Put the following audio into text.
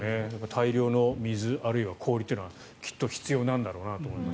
大量の水あるいは氷というのはきっと必要なんだろうなと思います。